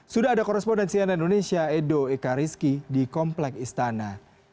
sudah ada korespondensi dari indonesia edo ekariski di komplek istana